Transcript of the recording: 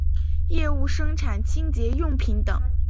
业务生产清洁用品等。